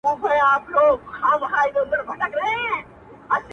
څه د بمونو څه توپونو په زور ونړیږي!.